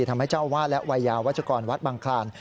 ทำให้เจ้าอาวาสและวัยยาวัชกรวัดบังคลาน